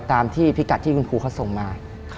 ตามที่พิกัดที่คุณครูเขาส่งมา